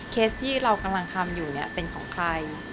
เคสที่เรากำลังทำอยู่เนี่ยเป็นของใคร